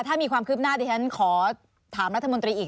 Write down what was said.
ถ้ามีความคืบหน้าดิฉันขอถามรัฐมนตรีอีก